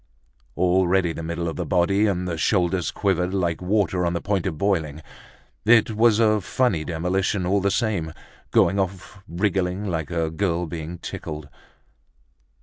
Already the middle of the body and the shoulders quivered like water on the point of boiling. It was a funny demolition all the same, going off wriggling like a girl being tickled.